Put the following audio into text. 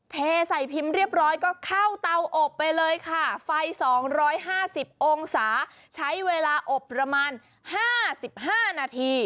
เทใส่พิมพ์เรียบร้อยก็เข้าเตาอบไปเลยค่ะไฟ๒๕๐องศาใช้เวลาอบประมาณ๕๕นาที